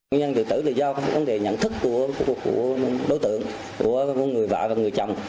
người ăn tự tử là do quan điểm nhận thức của đối tượng của người vợ và người chồng